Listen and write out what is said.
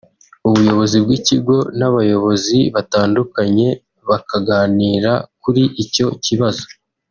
ubuyobozi bw’ikigo n’abayobozi batandukanye bakaganira kuri icyo kibazo